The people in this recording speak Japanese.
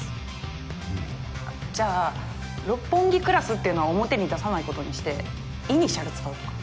じゃあ六本木クラスっていうのは表に出さない事にしてイニシャル使うとか。